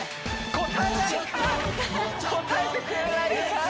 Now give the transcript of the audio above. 答えてくれないんかい！